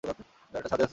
এটা ছাদে আছে, স্যার।